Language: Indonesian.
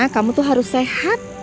kamu tuh harus sehat